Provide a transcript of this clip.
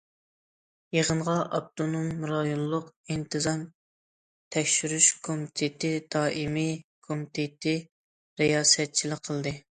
يىغىنغا ئاپتونوم رايونلۇق ئىنتىزام تەكشۈرۈش كومىتېتى دائىمىي كومىتېتى رىياسەتچىلىك قىلدى.